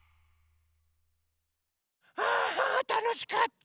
あたのしかった！